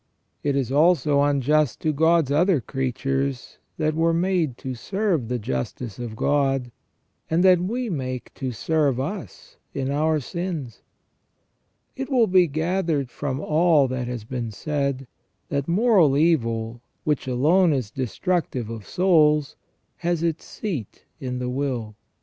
It is also unjust to God's other creatures that were made to serve the justice of God, and that we make to serve us in our sins. It will be gathered from all that has been said, that moral evil, which alone is destructive of souls, has its seat in the will.